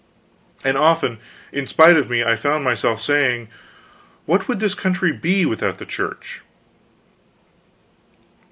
And often, in spite of me, I found myself saying, "What would this country be without the Church?"